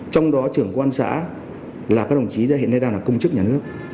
trong đó trưởng quan xã là các đồng chí hiện nay đang là công chức nhà nước